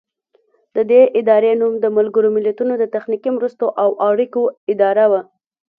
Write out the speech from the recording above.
د دې ادارې نوم د ملګرو ملتونو د تخنیکي مرستو او اړیکو اداره و.